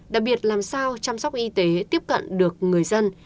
đặc biệt làm sao chăm sóc y tế tiếp cận được người dân